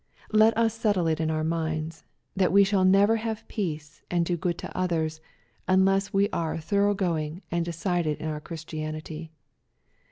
Let us settle it in our minds^ thai we shall never have peace, and do good to others, unless ure are thorough going and decided in our Christianity.